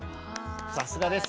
さすがです。